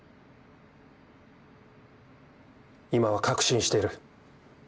今は確信している。